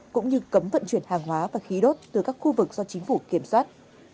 cũng như cấm vận chuyển hàng hóa và khí đốt từ các khu vực do chính phủ kiểm soát